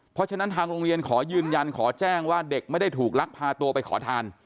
เพราะฉะนั้นทางโรงเรียนขอยืนยันขอแจ้งว่าเด็กไม่ได้ถูกลักพาตัวไปขอทาน